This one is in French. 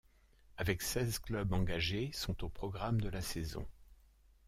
Avec seize clubs engagés, sont au programme de la saison.